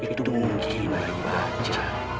itu mungkin dari baca